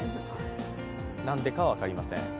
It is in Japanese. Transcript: なんでかは分かりません。